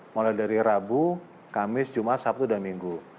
mulai dari rabu kamis jumat sabtu dan minggu